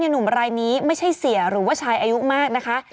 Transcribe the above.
หนุ่มรายนี้ไม่ใช่เสียหรือว่าชายอายุมากนะคะ